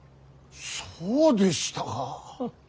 そうでしたか。